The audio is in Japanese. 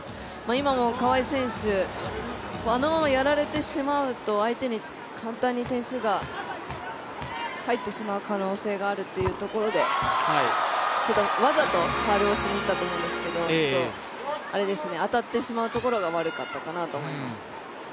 今も、川井選手、あのままやられてしまうと相手に簡単に点数が入ってしまう可能性があるっていうところでちょっと、わざとファウルをしにいったと思うんですけど当たってしまうところが悪かったかなと思います。